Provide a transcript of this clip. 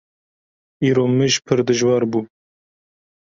Îro mij pir dijwar bû.